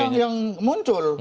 itu kan yang muncul